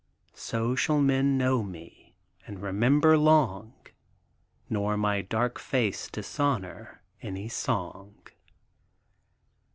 So shall men know me, and remember long, Nor my dark face dishonor any song.